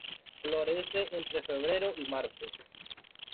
Florece entre febrero y marzo.